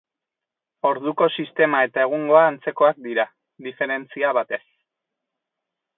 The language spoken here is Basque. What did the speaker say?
Orduko sistema eta egungoa antzekoak dira, diferentzia batez.